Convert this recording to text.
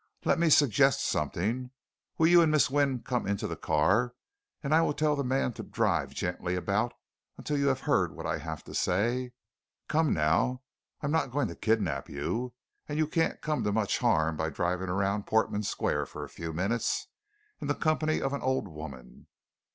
Let me suggest something will you and Miss Wynne come into the car, and I will tell the man to drive gently about until you have heard what I have to say? Come now! I am not going to kidnap you, and you can't come to much harm by driving round about Portman Square for a few minutes, in the company of an old woman!